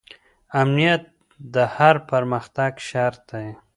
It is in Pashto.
امنیت د هر پرمختګ شرط دی.